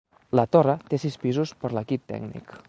La torre té sis pisos per l'equip tècnic.